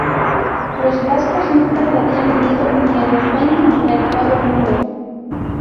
Los vascos nunca se habían unido ni en España ni en el Nuevo Mundo.